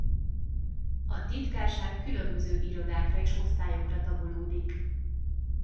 A Titkárság különböző irodákra és osztályokra tagolódik.